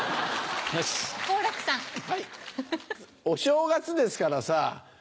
お正月ですからさ